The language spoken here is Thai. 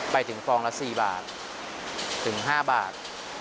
ไปถึงฟองละ๔บาทถึง๕บาท